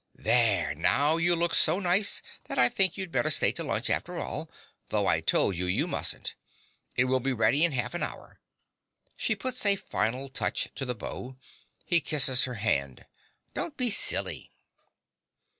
There! Now you look so nice that I think you'd better stay to lunch after all, though I told you you mustn't. It will be ready in half an hour. (She puts a final touch to the bow. He kisses her hand.) Don't be silly.